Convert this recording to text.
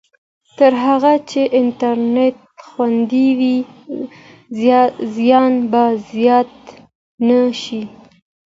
تر هغه چې انټرنېټ خوندي وي، زیان به زیات نه شي.